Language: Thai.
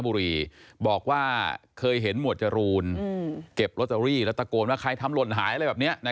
บอกว่าเคยเห็นหมวดจรูนเก็บลอตเตอรี่แล้วตะโกนว่าใครทำหล่นหายอะไรแบบนี้